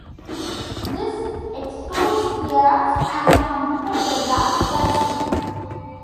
This excludes theorems and computer programs per se.